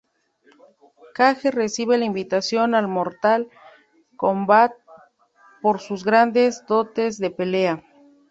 Cage recibe la invitación al Mortal Kombat por sus grandes dotes de pelea.